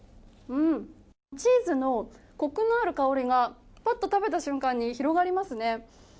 チーズのコクのある香りがぱっと食べた瞬間に広がりますね。